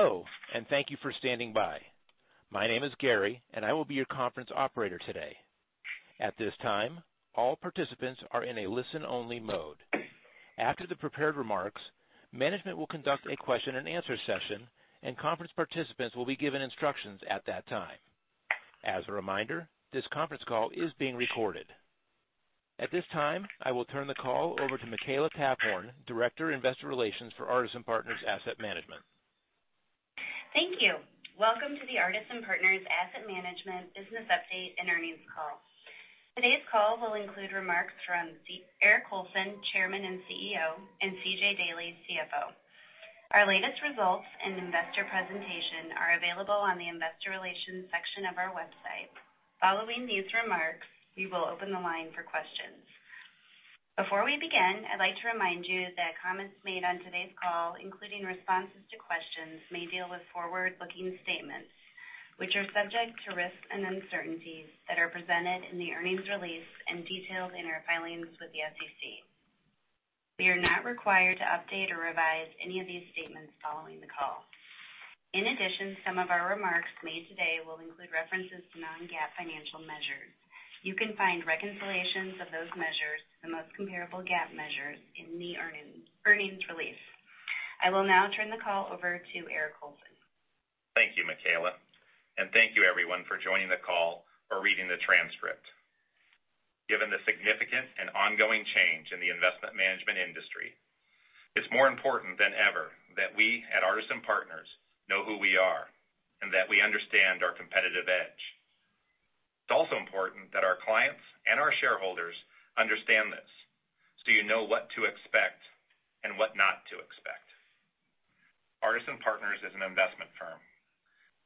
Hello, thank you for standing by. My name is Gary, I will be your conference operator today. At this time, all participants are in a listen-only mode. After the prepared remarks, management will conduct a question and answer session, conference participants will be given instructions at that time. As a reminder, this conference call is being recorded. At this time, I will turn the call over to Makela Taphorn, Director, Investor Relations for Artisan Partners Asset Management. Thank you. Welcome to the Artisan Partners Asset Management business update and earnings call. Today's call will include remarks from Eric Colson, Chairman and CEO, and C.J. Daley, CFO. Our latest results and investor presentation are available on the investor relations section of our website. Following these remarks, we will open the line for questions. Before we begin, I'd like to remind you that comments made on today's call, including responses to questions, may deal with forward-looking statements, which are subject to risks and uncertainties that are presented in the earnings release and detailed in our filings with the SEC. We are not required to update or revise any of these statements following the call. Some of our remarks made today will include references to non-GAAP financial measures. You can find reconciliations of those measures to the most comparable GAAP measures in the earnings release. I will now turn the call over to Eric Colson. Thank you, Makela. Thank you everyone for joining the call or reading the transcript. Given the significant and ongoing change in the investment management industry, it's more important than ever that we at Artisan Partners know who we are, and that we understand our competitive edge. It's also important that our clients and our shareholders understand this, so you know what to expect and what not to expect. Artisan Partners is an investment firm.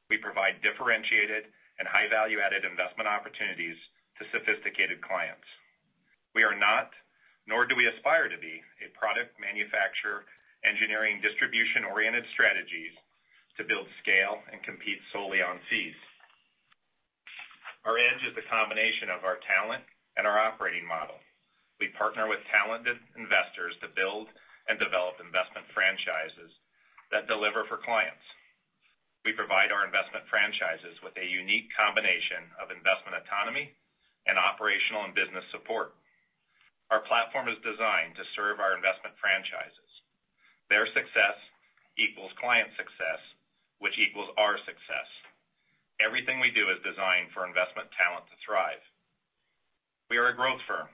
We provide differentiated and high value-added investment opportunities to sophisticated clients. We are not, nor do we aspire to be, a product manufacturer, engineering distribution-oriented strategies to build scale and compete solely on fees. Our edge is the combination of our talent and our operating model. We partner with talented investors to build and develop investment franchises that deliver for clients. We provide our investment franchises with a unique combination of investment autonomy and operational and business support. Our platform is designed to serve our investment franchises. Their success equals client success, which equals our success. Everything we do is designed for investment talent to thrive. We are a growth firm.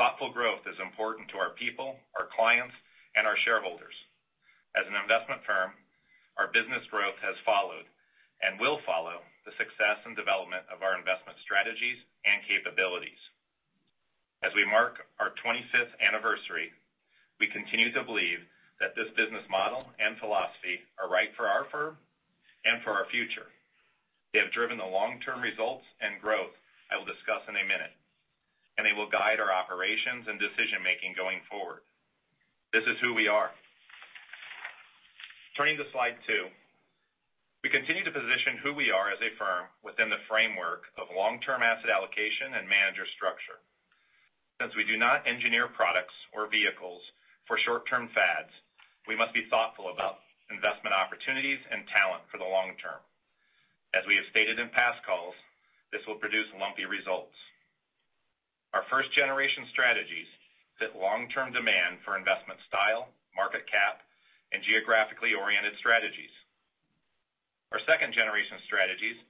Thoughtful growth is important to our people, our clients, and our shareholders. As an investment firm, our business growth has followed, and will follow, the success and development of our investment strategies and capabilities. As we mark our 25th anniversary, We continue to believe that this business model and philosophy are right for our firm and for our future. They have driven the long-term results and growth I will discuss in a minute, and they will guide our operations and decision-making going forward. This is who we are. Turning to slide two. We continue to position who we are as a firm within the framework of long-term asset allocation and manager structure. Since we do not engineer products or vehicles for short-term fads, we must be thoughtful about investment opportunities and talent for the long term. As we have stated in past calls, this will produce lumpy results. Our first-generation strategies fit long-term demand for investment style, market cap, and geographically-oriented strategies. Our second-generation strategies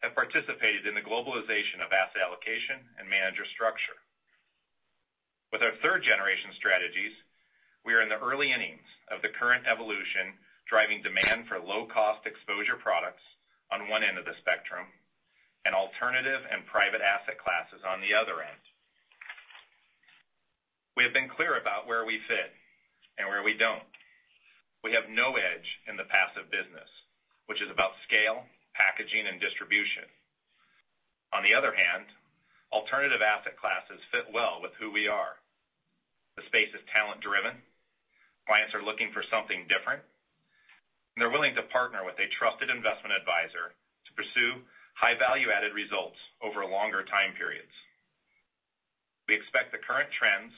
have participated in the globalization of asset allocation and manager structure. With our third-generation strategies, We are in the early innings of the current evolution, driving demand for low-cost exposure products on one end of the spectrum, and alternative and private asset classes on the other end. We have been clear about where we fit and where we don't. We have no edge in the passive business, which is about scale, packaging, and distribution. On the other hand, alternative asset classes fit well with who we are. The space is talent-driven. Clients are looking for something different, and they're willing to partner with a trusted investment advisor to pursue high value-added results over longer time periods. We expect the current trends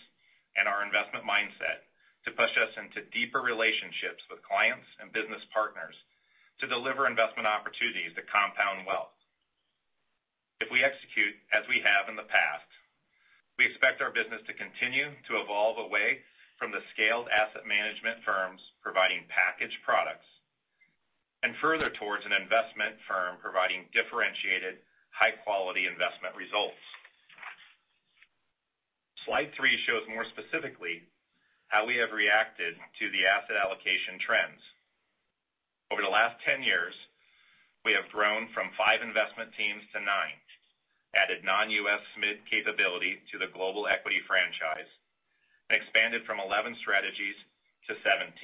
and our investment mindset to push us into deeper relationships with clients and business partners to deliver investment opportunities that compound wealth. If we execute as we have in the past, we expect our business to continue to evolve away from the scaled asset management firms providing packaged products, and further towards an investment firm providing differentiated high-quality investment results. Slide three shows more specifically how we have reacted to the asset allocation trends. Over the last 10 years, we have grown from five investment teams to nine, added Non-U.S. SMid capability to the Global Equity franchise, and expanded from 11 strategies to 17.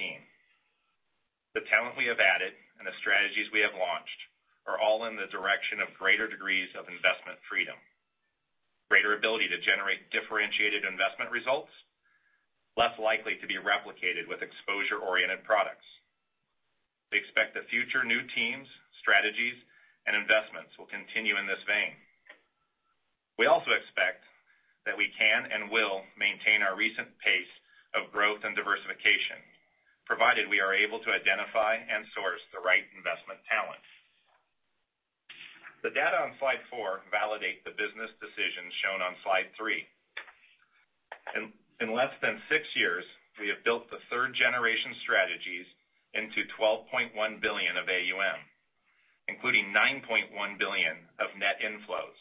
The talent we have added and the strategies we have launched are all in the direction of greater degrees of investment freedom, greater ability to generate differentiated investment results, less likely to be replicated with exposure-oriented products. We expect the future new teams, strategies, and investments will continue in this vein. We also expect that we can and will maintain our recent pace of growth and diversification, provided we are able to identify and source the right investment talent. The data on slide four validate the business decisions shown on slide three. In less than six years, we have built the third generation strategies into $12.1 billion of AUM, including $9.1 billion of net inflows.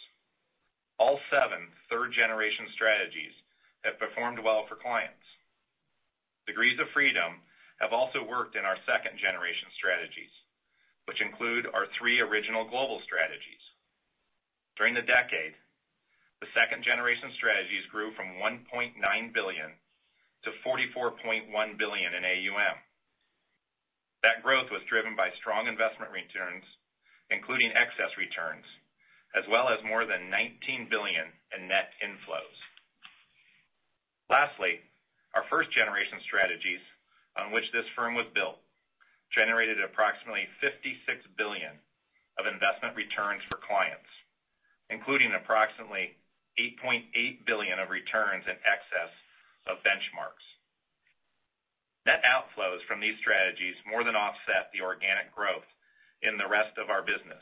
All seven third generation strategies have performed well for clients. Degrees of freedom have also worked in our second generation strategies, which include our three original Global Strategies. During the decade, the second generation strategies grew from $1.9 billion-$44.1 billion in AUM. That growth was driven by strong investment returns, including excess returns, as well as more than $19 billion in net inflows. Lastly, our first generation strategies, on which this firm was built, generated approximately $56 billion of investment returns for clients, including approximately $8.8 billion of returns in excess of benchmarks. Net outflows from these strategies more than offset the organic growth in the rest of our business.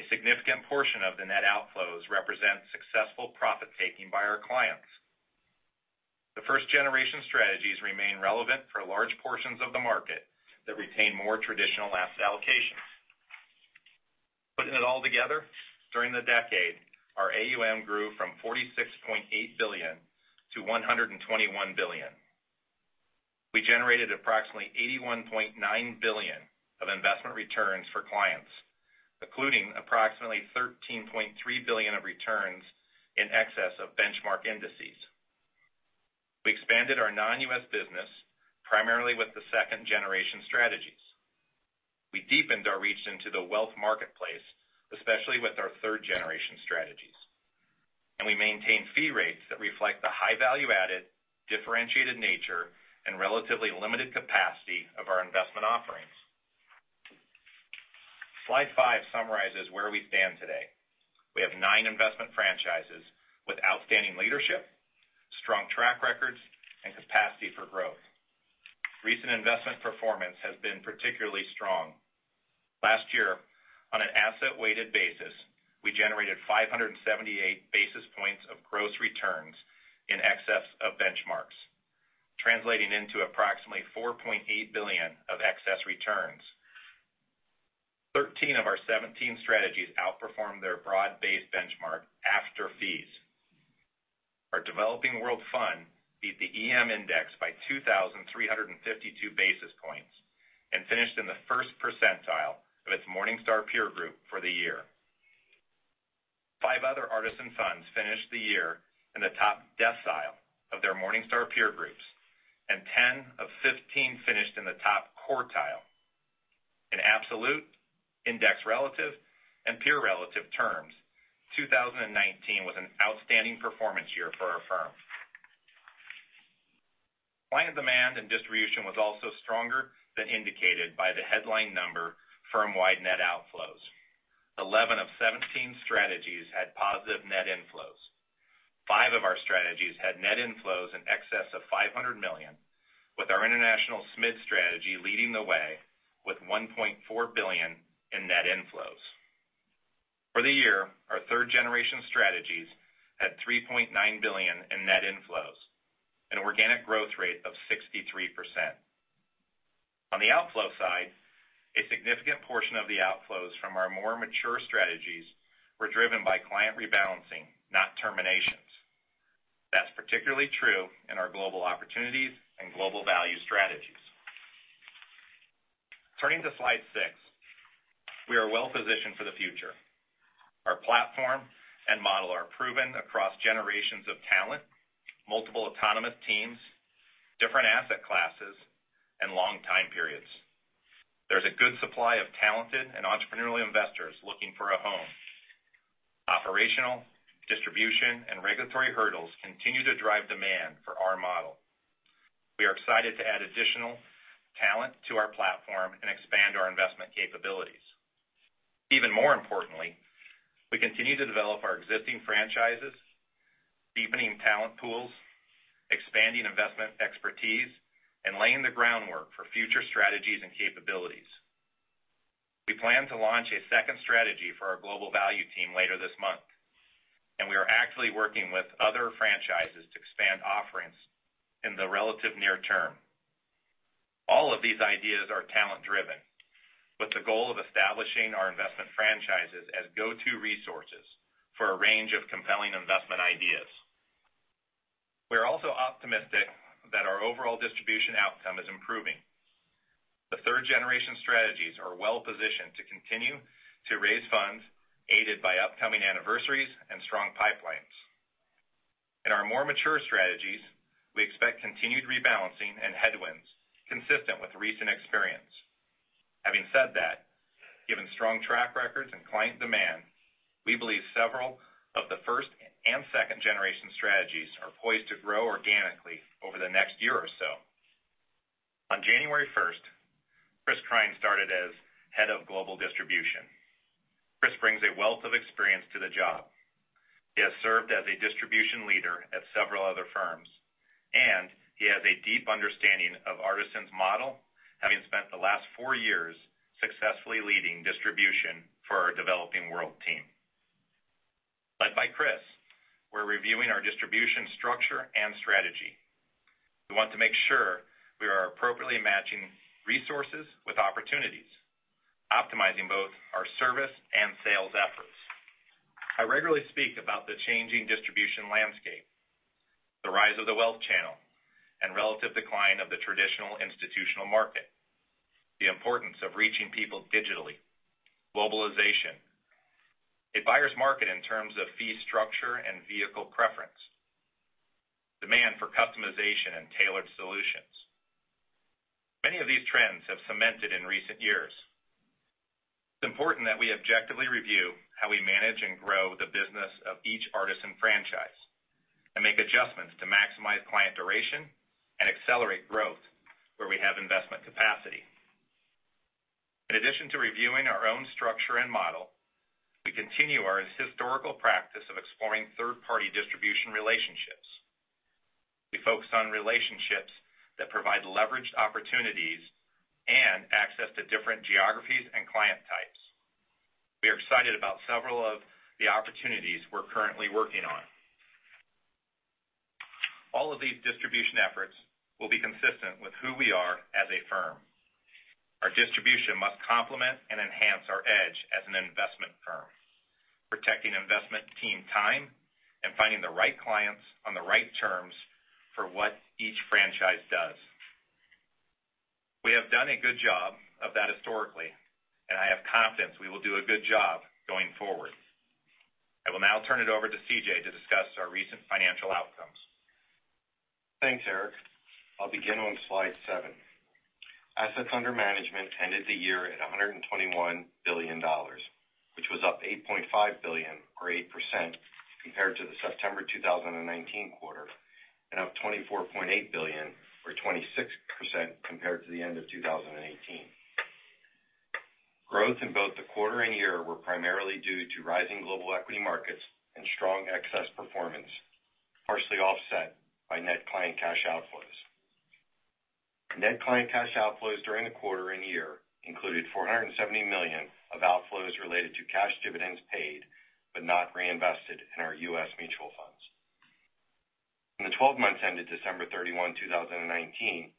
A significant portion of the net outflows represent successful profit-taking by our clients. The first generation strategies remain relevant for large portions of the market that retain more traditional asset allocations. Putting it all together, during the decade, our AUM grew from $46.8 billion-$121 billion. We generated approximately $81.9 billion of investment returns for clients, including approximately $13.3 billion of returns in excess of benchmark indices. We expanded our Non-U.S. business primarily with the second generation strategies. We deepened our reach into the wealth marketplace, especially with our third generation strategies. We maintained fee rates that reflect the high value-added, differentiated nature, and relatively limited capacity of our investment offerings. Slide five summarizes where we stand today. We have nine investment franchises with outstanding leadership, strong track records, and capacity for growth. Recent investment performance has been particularly strong. Last year, on an asset-weighted basis, we generated 578 basis points of gross returns in excess of benchmarks, translating into approximately $4.8 billion of excess returns. 13 of our 17 strategies outperformed their broad-based benchmark after fees. Our Developing World Fund beat the EM Index by 2,352 basis points and finished in the first percentile of its Morningstar peer group for the year. Five other Artisan funds finished the year in the top decile of their Morningstar peer groups, and 10 of 15 finished in the top quartile. In absolute, index relative, and peer relative terms, 2019 was an outstanding performance year for our firm. Client demand and distribution was also stronger than indicated by the headline number firm-wide net outflows. 11 of 17 strategies had positive net inflows. Five of our strategies had net inflows in excess of $500 million, with our International Small-Mid strategy leading the way with $1.4 billion in net inflows. For the year, our third generation strategies had $3.9 billion in net inflows, an organic growth rate of 63%. On the outflow side, a significant portion of the outflows from our more mature strategies were driven by client rebalancing, not terminations. That's particularly true in our Global Opportunities and Global Value strategies. Turning to slide six. We are well positioned for the future. Our platform and model are proven across generations of talent, multiple autonomous teams, different asset classes, and long time periods. There's a good supply of talented and entrepreneurial investors looking for a home. Operational, distribution, and regulatory hurdles continue to drive demand for our model. We are excited to add additional talent to our platform and expand our investment capabilities. Even more importantly, we continue to develop our existing franchises, deepening talent pools, expanding investment expertise, and laying the groundwork for future strategies and capabilities. We plan to launch a second strategy for our Global Value team later this month, and we are actively working with other franchises to expand offerings in the relative near term. All of these ideas are talent-driven, with the goal of establishing our investment franchises as go-to resources for a range of compelling investment ideas. We are also optimistic that our overall distribution outcome is improving. The third generation strategies are well positioned to continue to raise funds, aided by upcoming anniversaries and strong pipelines. In our more mature strategies, we expect continued rebalancing and headwinds consistent with recent experience. Having said that, given strong track records and client demand, we believe several of the first and second generation strategies are poised to grow organically over the next year or so. On January 1st, Chris Krein started as Head of Global Distribution. Chris brings a wealth of experience to the job. He has served as a distribution leader at several other firms, and he has a deep understanding of Artisan's model, having spent the last four years successfully leading distribution for our Developing World team. Led by Chris, we're reviewing our distribution structure and strategy. We want to make sure we are appropriately matching resources with opportunities, optimizing both our service and sales efforts. I regularly speak about the changing distribution landscape, the rise of the wealth channel, and relative decline of the traditional institutional market, the importance of reaching people digitally, globalization, a buyer's market in terms of fee structure and vehicle preference, demand for customization and tailored solutions. Many of these trends have cemented in recent years. It's important that we objectively review how we manage and grow the business of each Artisan franchise and make adjustments to maximize client duration and accelerate growth where we have investment capacity. In addition to reviewing our own structure and model, we continue our historical practice of exploring third-party distribution relationships. We focus on relationships that provide leveraged opportunities and access to different geographies and client types. We are excited about several of the opportunities we're currently working on. All of these distribution efforts will be consistent with who we are as a firm. Our distribution must complement and enhance our edge as an investment firm, protecting investment team time, and finding the right clients on the right terms for what each franchise does. We have done a good job of that historically, and I have confidence we will do a good job going forward. I will now turn it over to C.J. to discuss our recent financial outcomes. Thanks, Eric. I'll begin on slide seven. Assets under management ended the year at $121 billion, which was up $8.5 billion, or 8%, compared to the September 2019 quarter, and up $24.8 billion, or 26%, compared to the end of 2018. Growth in both the quarter and year were primarily due to rising global equity markets and strong excess performance, partially offset by net client cash outflows. Net client cash outflows during the quarter and year included $470 million of outflows related to cash dividends paid, but not reinvested in our U.S. mutual funds. In the 12 months ended December 31st, 2019,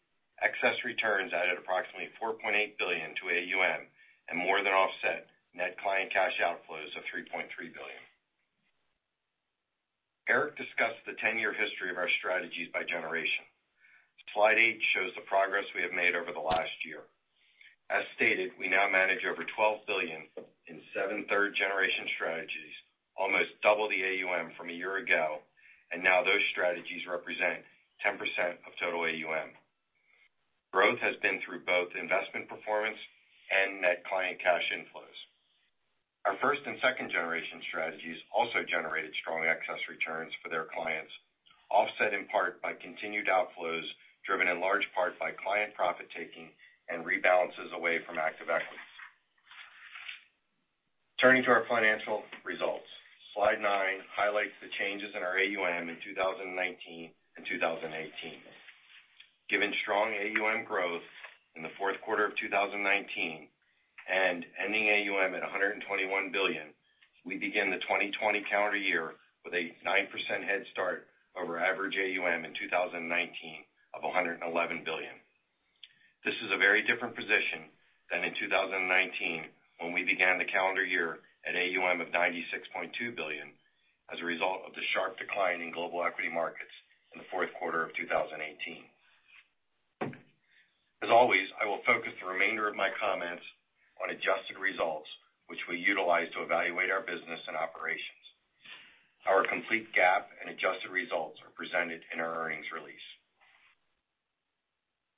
excess returns added approximately $4.8 billion to AUM, and more than offset net client cash outflows of $3.3 billion. Eric discussed the 10-year history of our strategies by generation. Slide eight shows the progress we have made over the last year. As stated, we now manage over $12 billion in seven third-generation strategies, almost double the AUM from a year ago. Now those strategies represent 10% of total AUM. Growth has been through both investment performance and net client cash inflows. Our first and second generation strategies also generated strong excess returns for their clients, offset in part by continued outflows, driven in large part by client profit-taking and rebalances away from active equities. Turning to our financial results. Slide nine highlights the changes in our AUM in 2019 and 2018. Given strong AUM growth in the Q4 of 2019, ending AUM at $121 billion, we begin the 2020 calendar year with a 9% head start over average AUM in 2019 of $111 billion. This is a very different position than in 2019, when we began the calendar year at AUM of $96.2 billion as a result of the sharp decline in global equity markets in the Q4 of 2018. As always, I will focus the remainder of my comments on adjusted results, which we utilize to evaluate our business and operations. Our complete GAAP and adjusted results are presented in our earnings release.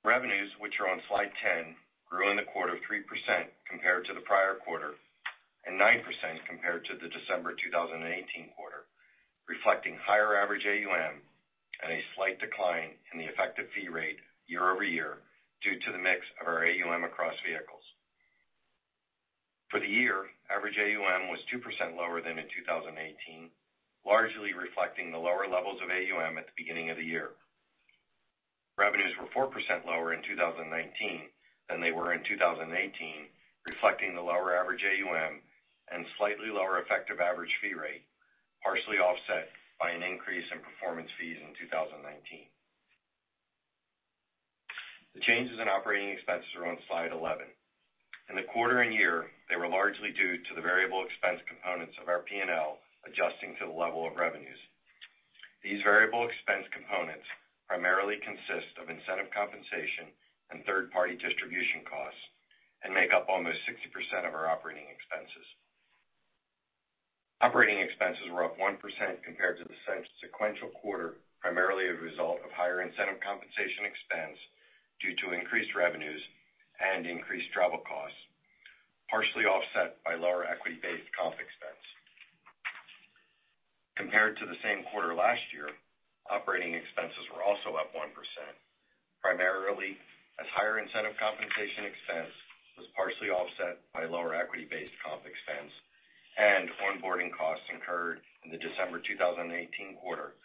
Revenues, which are on slide 10, grew in the quarter 3% compared to the prior quarter, and 9% compared to the December 2018 quarter, reflecting higher average AUM and a slight decline in the effective fee rate year-over-year due to the mix of our AUM across vehicles. For the year, average AUM was 2% lower than in 2018, largely reflecting the lower levels of AUM at the beginning of the year. Revenues were 4% lower in 2019 than they were in 2018, reflecting the lower average AUM and slightly lower effective average fee rate, partially offset by an increase in performance fees in 2019. The changes in operating expenses are on slide 11. In the quarter and year, they were largely due to the variable expense components of our P&L adjusting to the level of revenues. These variable expense components primarily consist of incentive compensation and third-party distribution costs and make up almost 60% of our operating expenses. Operating expenses were up 1% compared to the sequential quarter, primarily a result of higher incentive compensation expense due to increased revenues and increased travel costs, partially offset by lower equity-based comp expense. Compared to the same quarter last year, operating expenses were also up 1%, primarily as higher incentive compensation expense was partially offset by lower equity-based comp expense and onboarding costs incurred in the December 2018 quarter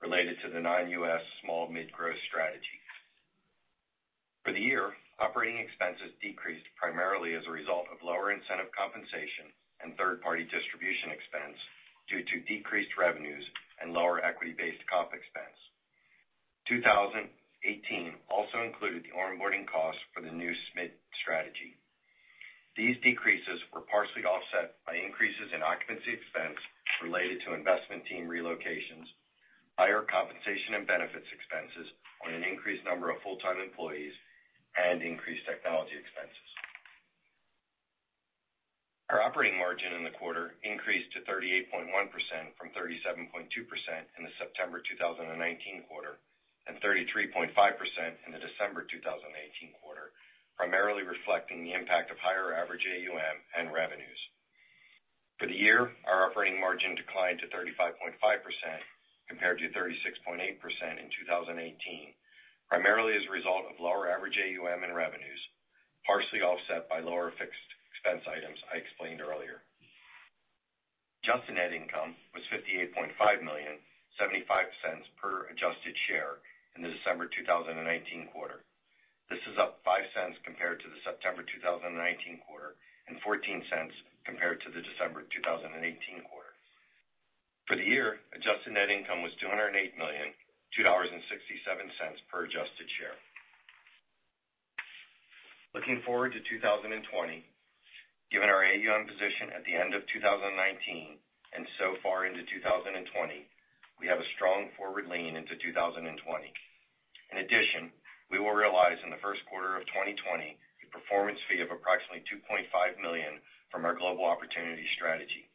related to the Non-U.S. Small-Mid Growth strategy. For the year, operating expenses decreased primarily as a result of lower incentive compensation and third-party distribution expense due to decreased revenues and lower equity-based comp expense. 2018 also included the onboarding cost for the new SMid strategy. These decreases were partially offset by increases in occupancy expense related to investment team relocations, higher compensation and benefits expenses on an increased number of full-time employees, and increased technology expenses. Our operating margin in the quarter increased to 38.1% from 37.2% in the September 2019 quarter and 33.5% in the December 2018 quarter, primarily reflecting the impact of higher average AUM and revenues. For the year, our operating margin declined to 35.5% compared to 36.8% in 2018, primarily as a result of lower average AUM and revenues, partially offset by lower fixed expense items I explained earlier. Adjusted net income was $58.5 million, $0.75 per adjusted share in the December 2019 quarter. This is up $0.05 compared to the September 2019 quarter and $0.14 compared to the December 2018 quarter. For the year, adjusted net income was $208 million, $2.67 per adjusted share. Looking forward to 2020, given our AUM position at the end of 2019 and so far into 2020, we have a strong forward lean into 2020. In addition, we will realize in the Q1 of 2020 a performance fee of approximately $2.5 million from our Global Opportunities strategy.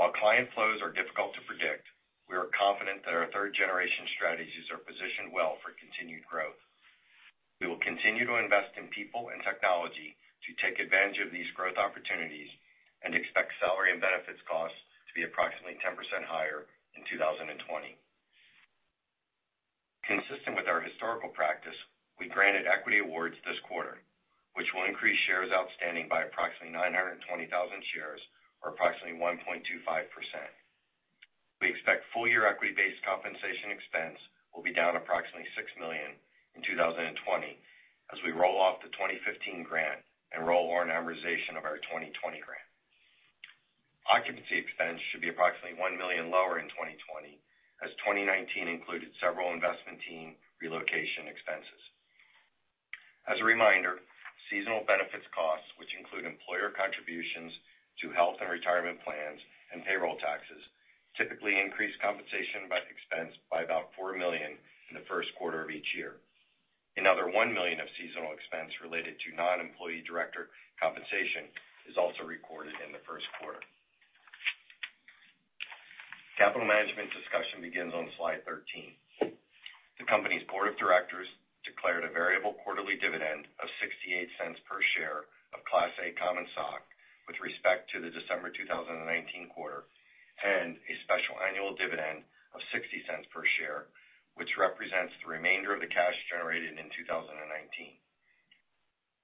While client flows are difficult to predict, we are confident that our third generation strategies are positioned well for continued growth. We will continue to invest in people and technology to take advantage of these growth opportunities and expect salary and benefits costs to be approximately 10% higher in 2020. Consistent with our historical practice, we granted equity awards this quarter, which will increase shares outstanding by approximately 920,000 shares or approximately 1.25%. We expect full year equity-based compensation expense will be down approximately $6 million in 2020 as we roll off the 2015 grant and roll our amortization of our 2020 grant. Occupancy expense should be approximately $1 million lower in 2020 as 2019 included several investment team relocation expenses. As a reminder, seasonal benefits costs, which include employer contributions to health and retirement plans and payroll taxes, typically increase compensation by expense by about $4 million in the Q1 of each year. Another $1 million of seasonal expense related to non-employee director compensation is also recorded in the Q1. Capital management discussion begins on slide 13. The company's board of directors declared a variable quarterly dividend of $0.68 per share of Class A common stock with respect to the December 2019 quarter and a special annual dividend of $0.60 per share, which represents the remainder of the cash generated in 2019.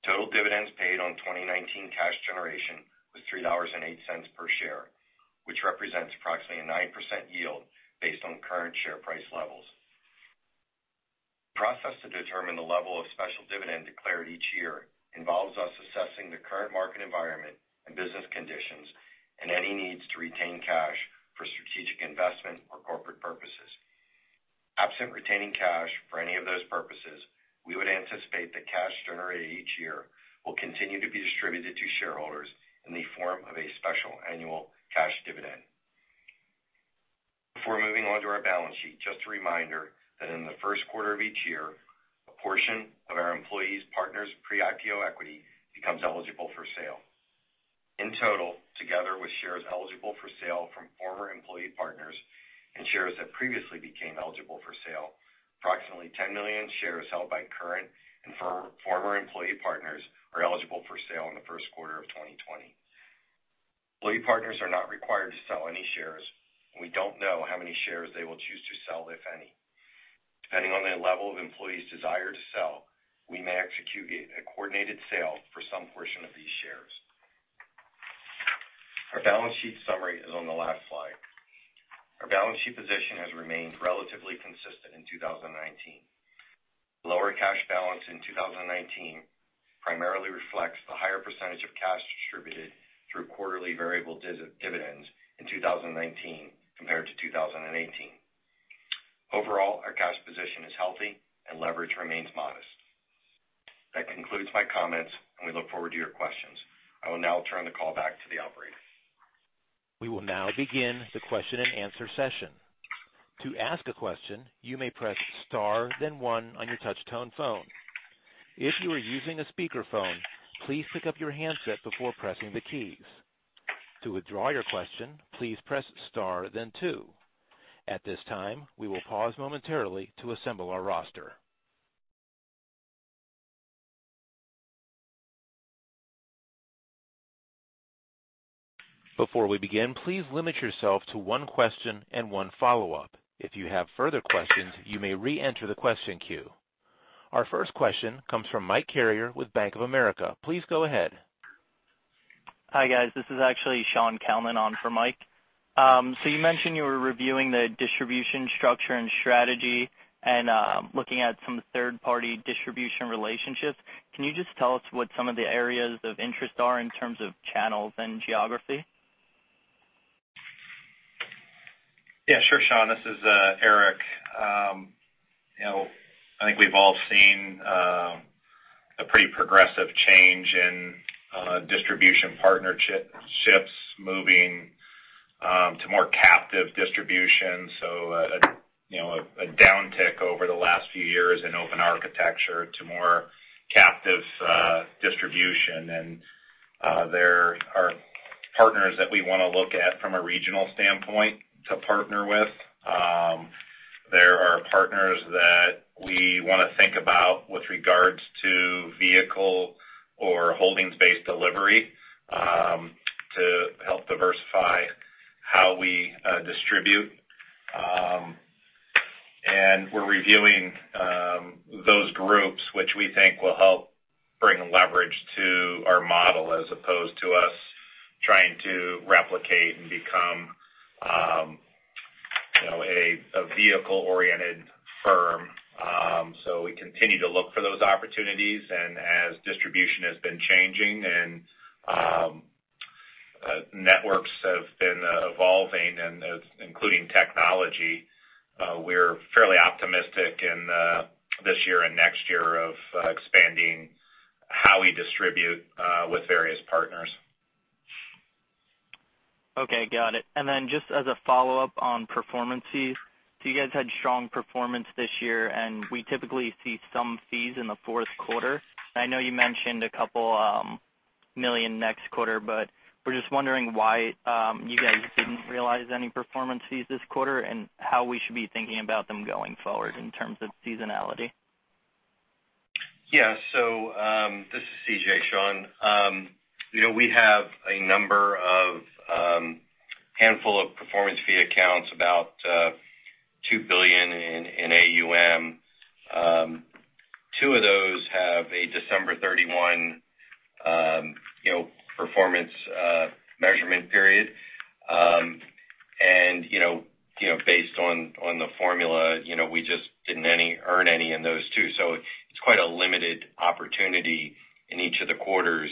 Total dividends paid on 2019 cash generation was $3.08 per share, which represents approximately a 9% yield based on current share price levels. The process to determine the level of special dividend declared each year involves us assessing the current market environment and business conditions and any needs to retain cash for strategic investment or corporate purposes. Absent retaining cash for any of those purposes, we would anticipate that cash generated each year will continue to be distributed to shareholders in the form of a special annual cash dividend. Before moving on to our balance sheet, just a reminder that in the Q1 of each year, a portion of our employees' partners' pre-IPO equity becomes eligible for sale. In total, together with shares eligible for sale from former employee partners and shares that previously became eligible for sale, approximately 10 million shares held by current and former employee partners are eligible for sale in the Q1 of 2020. Employee partners are not required to sell any shares, and we don't know how many shares they will choose to sell, if any. Depending on the level of employees' desire to sell, we may execute a coordinated sale for some portion of these shares. Our balance sheet summary is on the last slide. Our balance sheet position has remained relatively consistent in 2019. Lower cash balance in 2019 primarily reflects the higher % of cash distributed through quarterly variable dividends in 2019 compared to 2018. Overall, our cash position is healthy and leverage remains modest. That concludes my comments, and we look forward to your questions. I will now turn the call back to the operator. We will now begin the question and answer session. To ask a question, you may press star then one on your touch tone phone. If you are using a speakerphone, please pick up your handset before pressing the keys. To withdraw your question, please press star then two. At this time, we will pause momentarily to assemble our roster. Before we begin, please limit yourself to one question and one follow-up. If you have further questions, you may re-enter the question queue. Our first question comes from Mike Carrier with Bank of America. Please go ahead. Hi, guys. This is actually Sean Kalman on for Mike. You mentioned you were reviewing the distribution structure and strategy and looking at some third-party distribution relationships. Can you just tell us what some of the areas of interest are in terms of channels and geography? Yeah, sure, Sean. This is Eric. I think we've all seen a pretty progressive change in distribution partnerships moving to more captive distribution. A downtick over the last few years in open architecture to more captive distribution. There are partners that we want to look at from a regional standpoint to partner with. There are partners that we want to think about with regards to vehicle or holdings-based delivery, to help diversify how we distribute. We're reviewing those groups which we think will help bring leverage to our model as opposed to us trying to replicate and become a vehicle-oriented firm. We continue to look for those opportunities, and as distribution has been changing and networks have been evolving, including technology, we're fairly optimistic in this year and next year of expanding how we distribute with various partners. Okay. Got it. Then just as a follow-up on performance fees. You guys had strong performance this year, we typically see some fees in the Q4. I know you mentioned a couple million next quarter, we're just wondering why you guys didn't realize any performance fees this quarter, how we should be thinking about them going forward in terms of seasonality. Yeah. This is C.J., Sean. We have a number of handful of performance fee accounts, about $2 billion in AUM. Two of those have a December 31st performance measurement period. Based on the formula, we just didn't earn any in those two. It's quite a limited opportunity in each of the quarters.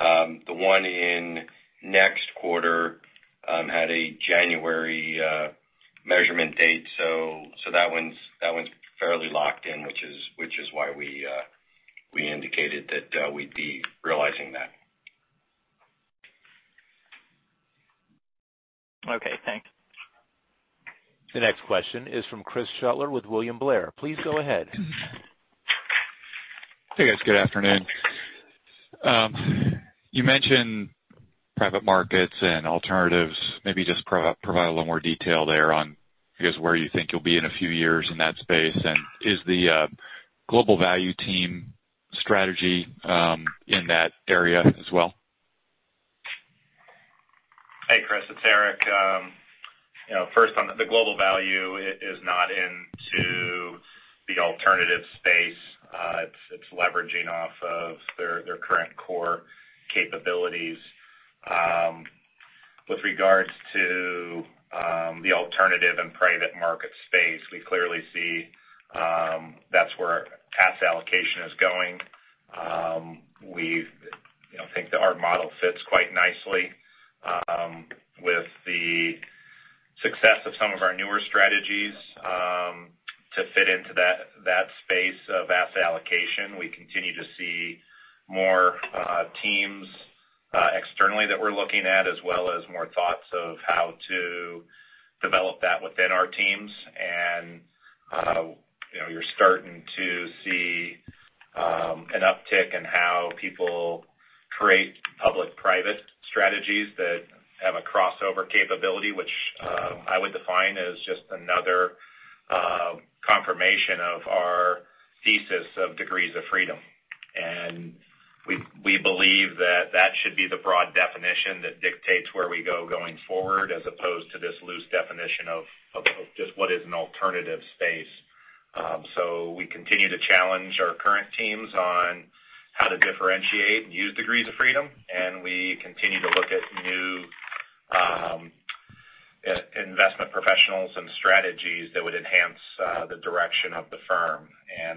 The one in next quarter had a January measurement date, that one's fairly locked in, which is why we indicated that we'd be realizing that. Okay, thanks. The next question is from Chris Shutler with William Blair. Please go ahead. Hey, guys. Good afternoon. You mentioned private markets and alternatives. Maybe just provide a little more detail there on, I guess, where you think you'll be in a few years in that space? Is the Global Value team strategy in that area as well? Hey, Chris. It's Eric. First, on the Global Value, it is not into the alternative space. It's leveraging off of their current core capabilities. Okay. With regards to the alternative and private market space, we clearly see that's where asset allocation is going. We think that our model fits quite nicely with the success of some of our newer strategies to fit into that space of asset allocation. We continue to see more teams externally that we're looking at, as well as more thoughts of how to develop that within our teams. You're starting to see an uptick in how people create public-private strategies that have a crossover capability, which I would define as just another confirmation of our thesis of degrees of freedom. We believe that that should be the broad definition that dictates where we go going forward, as opposed to this loose definition of just what is an alternative space. We continue to challenge our current teams on how to differentiate and use degrees of freedom. We continue to look at new investment professionals and strategies that would enhance the direction of the firm.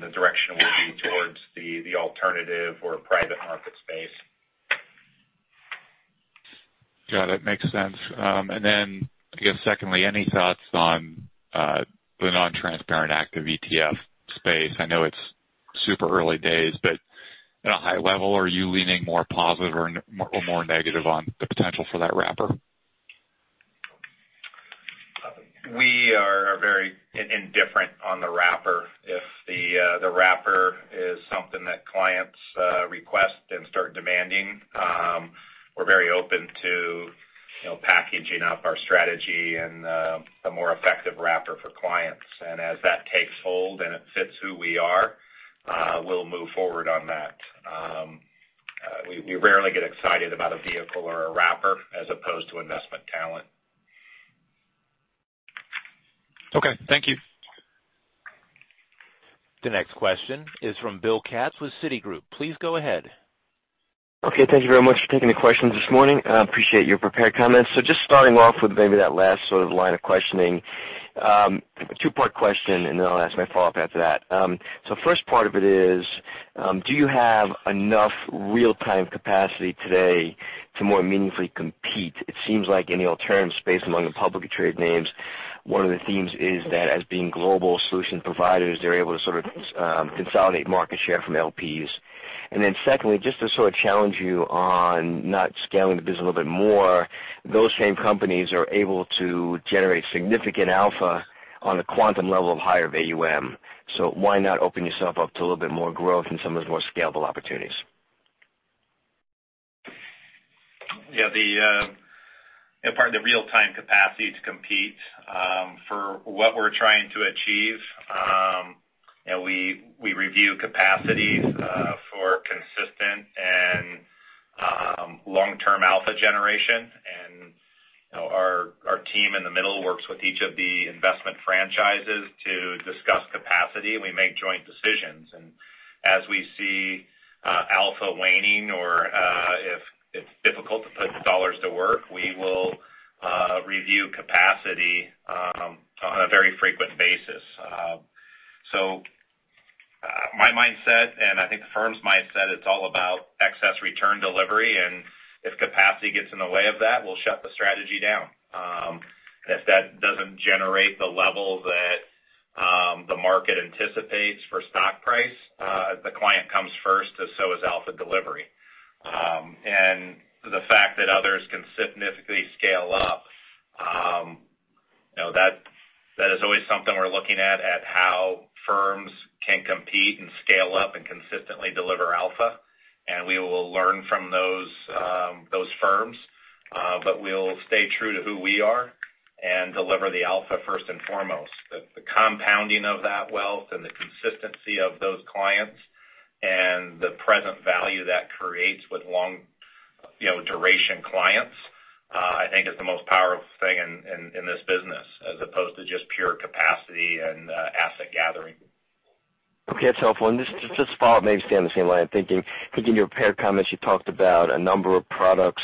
The direction will be towards the alternative or private market space. Got it. Makes sense. I guess secondly, any thoughts on the non-transparent active ETF space? I know it's super early days, at a high level, are you leaning more positive or more negative on the potential for that wrapper? We are very indifferent on the wrapper. If the wrapper is something that clients request and start demanding, we're very open to packaging up our strategy and a more effective wrapper for clients. As that takes hold and it fits who we are, we'll move forward on that. We rarely get excited about a vehicle or a wrapper as opposed to investment talent. Okay, thank you. The next question is from Bill Katz with Citigroup. Please go ahead. Okay. Thank you very much for taking the questions this morning. Appreciate your prepared comments. Just starting off with maybe that last sort of line of questioning. A two-part question, and then I'll ask my follow-up after that. First part of it is, do you have enough real-time capacity today to more meaningfully compete? It seems like in the alternative space among the publicly-traded names, one of the themes is that as being global solution providers, they're able to sort of consolidate market share from LPs. Secondly, just to sort of challenge you on not scaling the business a little bit more, those same companies are able to generate significant alpha on a quantum level of higher of AUM. Why not open yourself up to a little bit more growth and some of those more scalable opportunities? Yeah. Part of the real-time capacity to compete for what we're trying to achieve. We review capacities for consistent and long-term alpha generation. Our team in the middle works with each of the investment franchises to discuss capacity. We make joint decisions. As we see alpha waning or if it's difficult to put dollars to work, we will review capacity on a very frequent basis. My mindset, and I think the firm's mindset, it's all about excess return delivery. If capacity gets in the way of that, we'll shut the strategy down. If that doesn't generate the level that the market anticipates for stock price, the client comes first, and so is alpha delivery. The fact that others can significantly scale up, that is always something we're looking at how firms can compete and scale up and consistently deliver alpha. We will learn from those firms. We'll stay true to who we are and deliver the alpha first and foremost. The compounding of that wealth and the consistency of those clients and the present value that creates with long duration clients, I think is the most powerful thing in this business as opposed to just pure capacity and asset gathering. Okay, that's helpful. Just to follow up, maybe stay on the same line of thinking. I think in your prepared comments, you talked about a number of products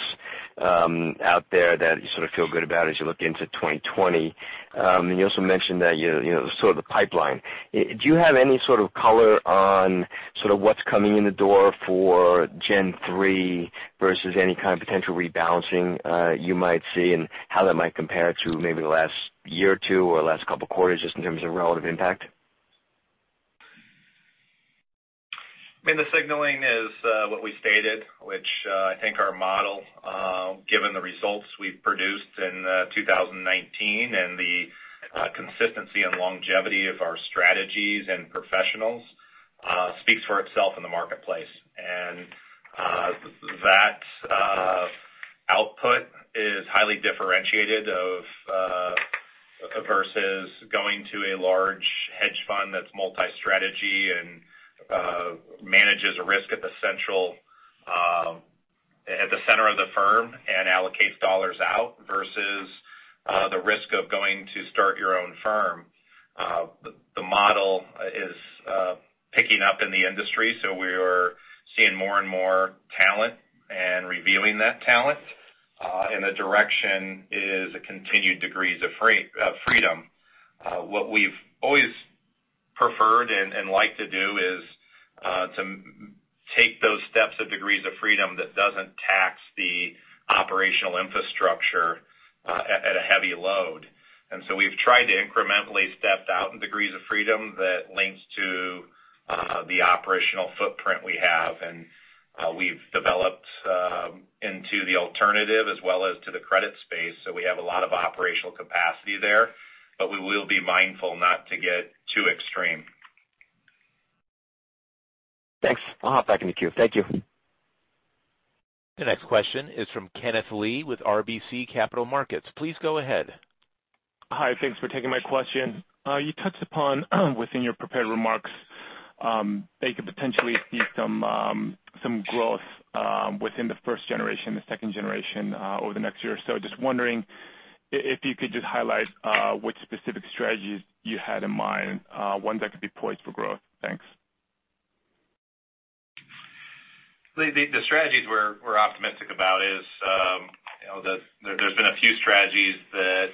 out there that you sort of feel good about as you look into 2020. You also mentioned the pipeline. Do you have any sort of color on what's coming in the door for Gen 3 versus any kind of potential rebalancing you might see, and how that might compare to maybe the last year or two or last couple of quarters, just in terms of relative impact? I mean, the signaling is what we stated, which I think our model, given the results we've produced in 2019 and the consistency and longevity of our strategies and professionals, speaks for itself in the marketplace. That output is highly differentiated versus going to a large hedge fund that's multi-strategy and manages risk at the center of the firm and allocates dollars out, versus the risk of going to start your own firm. The model is picking up in the industry, so we're seeing more and more talent and revealing that talent. The direction is a continued degrees of freedom. What we've always preferred and like to do is to take those steps of degrees of freedom that doesn't tax the operational infrastructure at a heavy load. We've tried to incrementally step out in degrees of freedom that links to the operational footprint we have. We've developed into the alternative as well as to the credit space. We have a lot of operational capacity there. We will be mindful not to get too extreme. Thanks. I'll hop back in the queue. Thank you. The next question is from Kenneth Lee with RBC Capital Markets. Please go ahead. Hi. Thanks for taking my question. You touched upon, within your prepared remarks, that you could potentially see some growth within the first generation, the second generation, over the next year. Just wondering if you could just highlight which specific strategies you had in mind, ones that could be poised for growth. Thanks. The strategies we're optimistic about is. There's been a few strategies that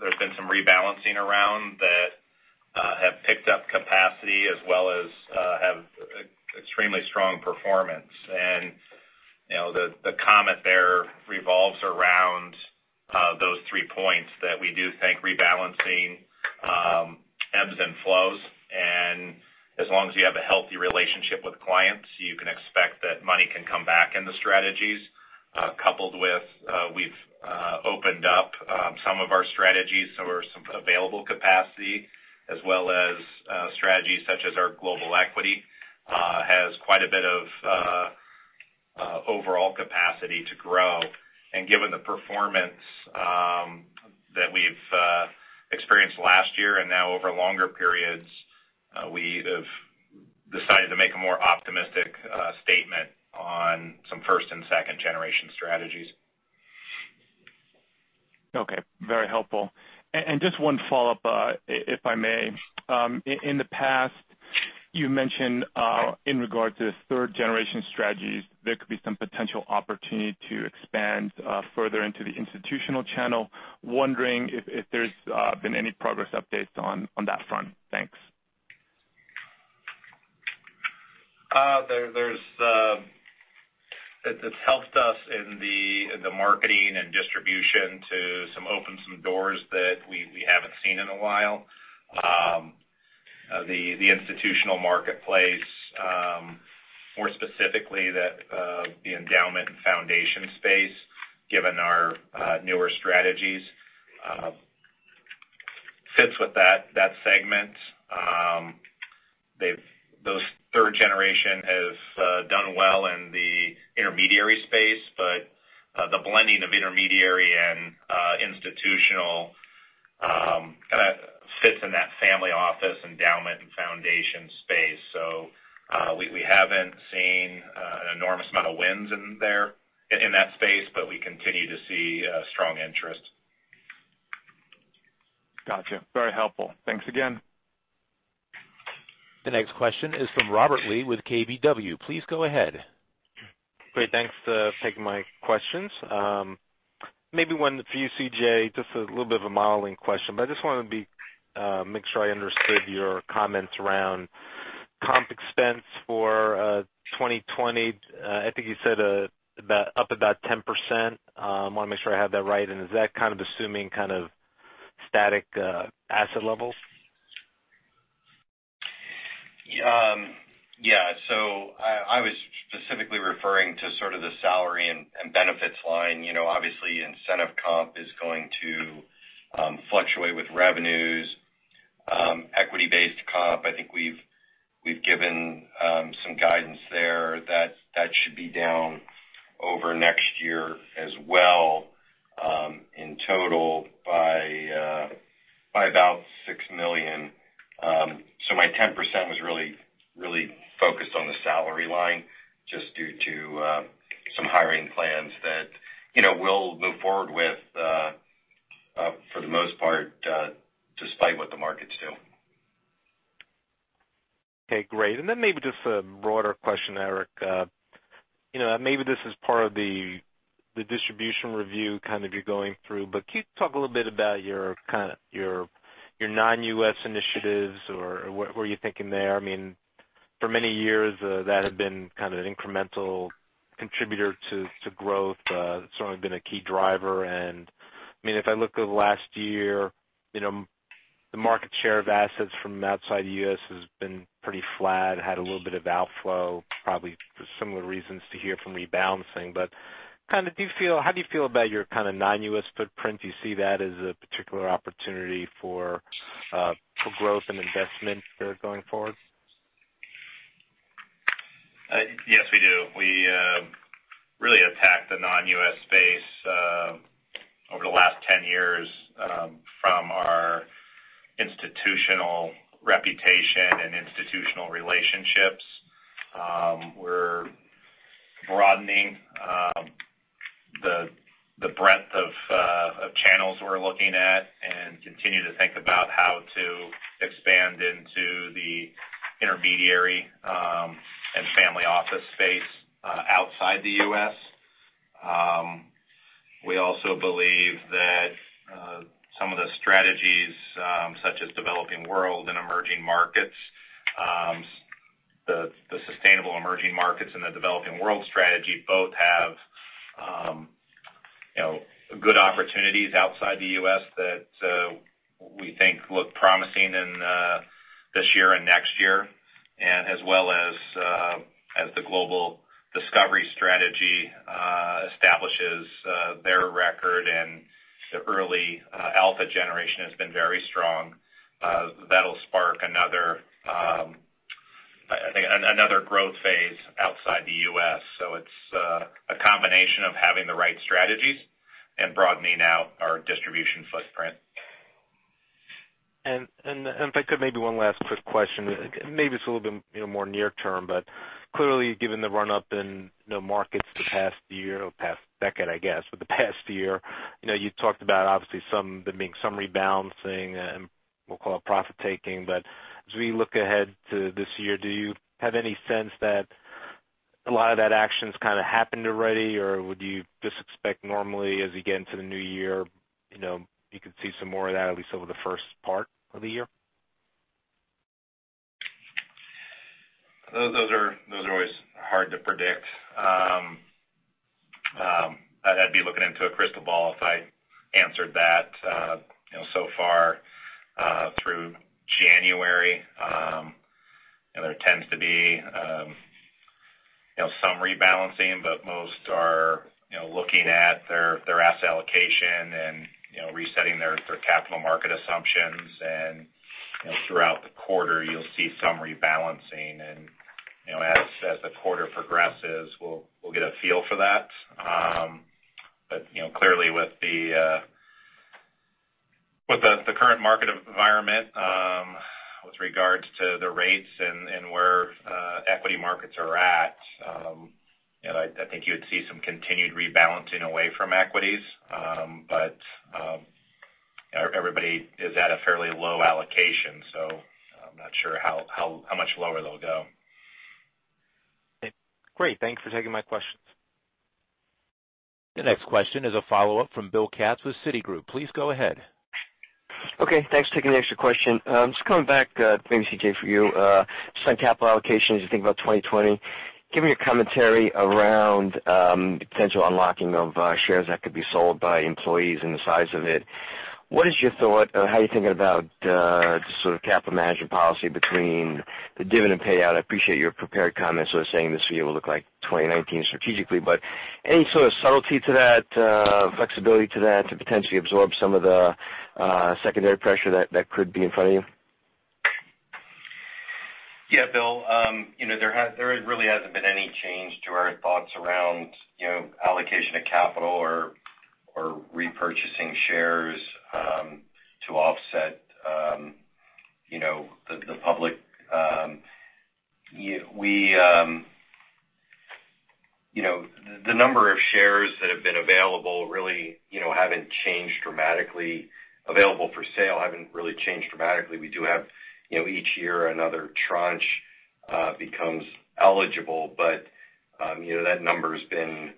there's been some rebalancing around that have picked up capacity as well as have extremely strong performance. The comment there revolves around those three points, that we do think rebalancing ebbs and flows. As long as you have a healthy relationship with clients, you can expect that money can come back in the strategies. Coupled with we've opened up some of our strategies, so there's some available capacity, as well as strategies such as our Global Equity has quite a bit of overall capacity to grow. Given the performance that we've experienced last year and now over longer periods, we have decided to make a more optimistic statement on some first- and second-generation strategies. Okay. Very helpful. Just one follow-up, if I may. In the past, you mentioned in regard to third-generation strategies, there could be some potential opportunity to expand further into the institutional channel. Wondering if there's been any progress updates on that front? Thanks. It's helped us in the marketing and distribution to open some doors that we haven't seen in a while. The institutional marketplace, more specifically the endowment and foundation space, given our newer strategies, fits with that segment. Those third generation has done well in the intermediary space, but the blending of intermediary and institutional fits in that family office endowment and foundation space. We haven't seen an enormous amount of wins in that space, but we continue to see strong interest. Got you. Very helpful. Thanks again. The next question is from Robert Lee with KBW. Please go ahead. Great. Thanks for taking my questions. Maybe one for you, C.J., just a little bit of a modeling question, but I just wanted to make sure I understood your comments around comp expense for 2020. I think you said up about 10%. I want to make sure I have that right. Is that assuming static asset levels? Yeah. I was specifically referring to the salary and benefits line. Obviously, incentive comp is going to fluctuate with revenues. Equity-based comp, I think we've given some guidance there that should be down over next year as well, in total, by about $6 million. My 10% was really focused on the salary line, just due to some hiring plans that we'll move forward with for the most part, despite what the markets do. Okay, great. Maybe just a broader question, Eric. This is part of the distribution review you're going through, but can you talk a little bit about your Non-U.S. initiatives, or what were you thinking there? For many years, that had been an incremental contributor to growth. It's certainly been a key driver. If I look over the last year, the market share of assets from outside the U.S. has been pretty flat, had a little bit of outflow, probably for similar reasons to hear from rebalancing. How do you feel about your Non-U.S. footprint? Do you see that as a particular opportunity for growth and investment there going forward? Yes, we do. We really attacked the Non-U.S. space over the last 10 years from our institutional reputation and institutional relationships. We're broadening the breadth of channels we're looking at. Continue to think about how to expand into the intermediary and family office space outside the U.S. We also believe that some of the strategies, such as Developing World and Emerging Markets, the Sustainable Emerging Markets and the Developing World strategy both have good opportunities outside the U.S. that we think look promising in this year and next year. As well as the Global Discovery strategy establishes their record. The early alpha generation has been very strong. That'll spark another growth phase outside the U.S. It's a combination of having the right strategies and broadening out our distribution footprint. If I could, maybe one last quick question? Maybe it's a little bit more near term, but clearly, given the run-up in markets the past year, or past decade, I guess, but the past year, you talked about obviously there being some rebalancing, and we'll call it profit-taking. As we look ahead to this year, do you have any sense that a lot of that action's happened already, or would you just expect normally as we get into the new year, you could see some more of that, at least over the first part of the year? Those are always hard to predict. I'd have to be looking into a crystal ball if I answered that. Far through January, there tends to be some rebalancing, but most are looking at their asset allocation and resetting their capital market assumptions. Throughout the quarter you'll see some rebalancing and as the quarter progresses, we'll get a feel for that. Clearly with the current market environment, with regards to the rates and where equity markets are at, I think you would see some continued rebalancing away from equities. Everybody is at a fairly low allocation, so I'm not sure how much lower they'll go. Great. Thanks for taking my questions. The next question is a follow-up from Bill Katz with Citigroup. Please go ahead. Okay. Thanks, taking the extra question. Just coming back, maybe C.J., for you, just on capital allocation, as you think about 2020. Given your commentary around the potential unlocking of shares that could be sold by employees and the size of it, what is your thought or how are you thinking about the sort of capital management policy between the dividend payout? I appreciate your prepared comments saying this year will look like 2019 strategically, but any sort of subtlety to that, flexibility to that to potentially absorb some of the secondary pressure that could be in front of you? Yeah. Bill, there really hasn't been any change to our thoughts around allocation of capital or repurchasing shares to offset the public. The number of shares that have been available really haven't changed dramatically, available for sale, haven't really changed dramatically. We do have each year another tranche becomes eligible, but that number's been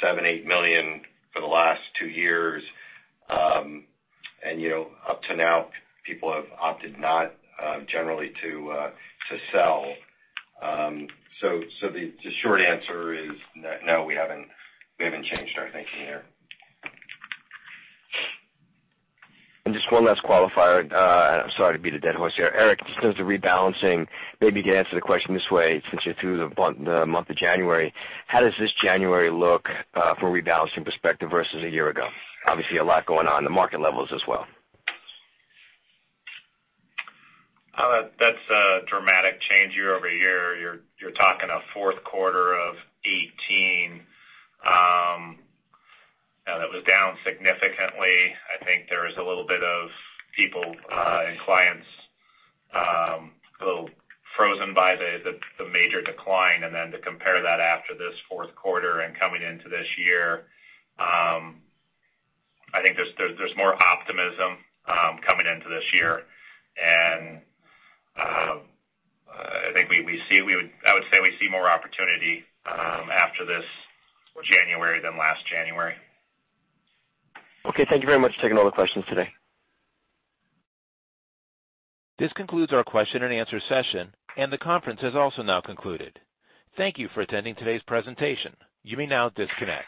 seven, eight million for the last two years. Up to now, people have opted not generally to sell. The short answer is no, we haven't changed our thinking there. Just one last qualifier, and I'm sorry to beat a dead horse here. Eric, just in terms of rebalancing, maybe you can answer the question this way, since you're through the month of January. How does this January look from a rebalancing perspective versus a year ago? Obviously a lot going on, the market levels as well. That's a dramatic change year-over-year. You're talking a Q4 of 2018 that was down significantly. I think there was a little bit of people and clients a little frozen by the major decline, and then to compare that after this Q4 and coming into this year. I think there's more optimism coming into this year. I would say we see more opportunity after this January than last January. Okay. Thank you very much for taking all the questions today. This concludes our question and answer session, and the conference has also now concluded. Thank you for attending today's presentation. You may now disconnect.